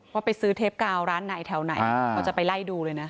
ว่าไปซื้อเทปกาวร้านไหนแถวไหนเขาจะไปไล่ดูเลยนะ